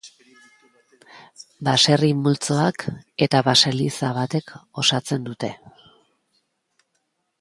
Baserri multzoak eta baseliza batek osatzen dute.